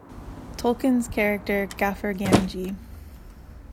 Tolkien's character Gaffer Gamgee.